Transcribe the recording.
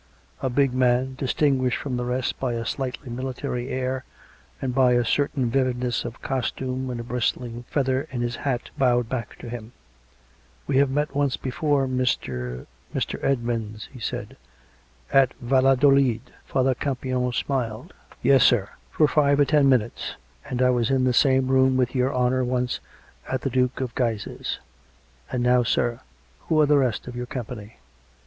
" A big man, distinguished from the rest by a slightly military air, and by a certain vividness of costume and a bristling feather in his hat, bowed back to him. " We have met once before, Mr. — Mr. Edmonds," he said. " At Valladolid." 168 COME RACK! COME ROPE! 169 Father Campion smiled. " Yes, sir ; for five or ten minutes ; and I was in the same room with your honour once at the Duke of Guise's. ... And now, sir, who are the rest of your company?"